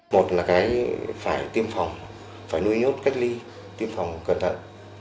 một là cái phải tiêm phòng phải nuôi nhốt cách ly tiêm phòng cẩn thận